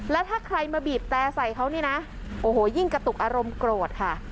แล้วถ้าใครมาบีบแต่ใส่เขานี่นะโอ้โหยิ่งกระตุกอารมณ์โกรธค่ะ